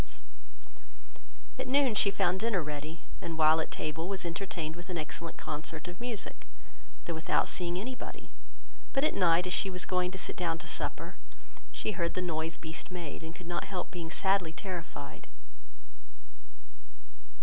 [Illustration: Beauty Looking in the Glass] At noon she found dinner ready, and while at table, was entertained with an excellent concert of music, though without seeing any body: but at night, as she was going to sit down to supper, she heard the noise Beast made; and could not help being sadly terrified.